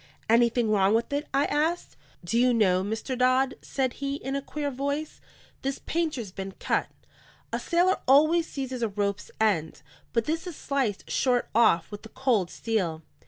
"Anything wrong with it?" I asked. "Do you know, Mr. Dodd," said he, in a queer voice, "this painter's been cut? A sailor always seizes a rope's end, but this is sliced short off with the cold steel.